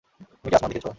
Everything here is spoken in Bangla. তুমি কি আসমান দেখেছ?